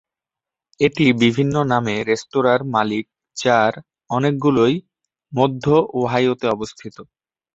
এটি বিভিন্ন নামে রেস্তোরাঁর মালিক, যার অনেকগুলোই মধ্য ওহাইওতে অবস্থিত।